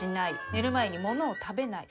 寝る前に物を食べない。